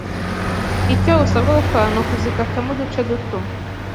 icyo usabwa gukora ni ukuzikatamo uduce duto